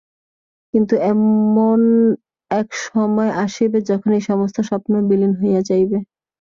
কিন্তু এমন এক সময় আসিবে, যখন এই সমস্ত স্বপ্ন বিলীন হইয়া যাইবে।